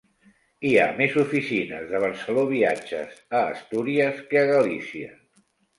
Hi ha més oficines de Barceló Viatges a Astúries que a Galícia.